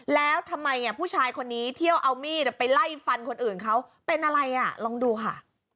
แล้วทำไมผู้ชายคนนี้เที่ยวเอามีดไปไล่ฟันคนอื่นเขาเป็นอะไรอ่ะลองดูค่ะ